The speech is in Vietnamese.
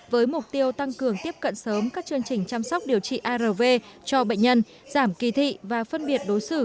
với mục tiêu tăng cường tiếp cận sớm các chương trình chăm sóc điều trị arv cho bệnh nhân giảm kỳ thị và phân biệt đối xử